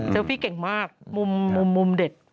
พี่เก่งมากมุมเด็ด